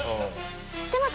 知ってます？